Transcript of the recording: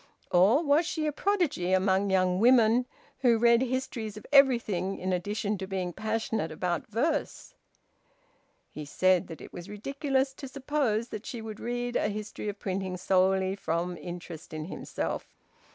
Or was she a prodigy among young women, who read histories of everything in addition to being passionate about verse? He said that it was ridiculous to suppose that she would read a history of printing solely from interest in himself.